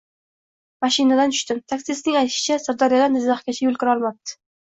Moshindan tushdim. Taksistning aytishicha, Sirdaryodan Jizzaxgacha yo‘lkira olmabdi.